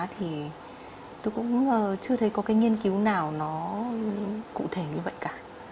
thì tôi cũng chưa thấy có cái nghiên cứu nào nó cụ thể như vậy cả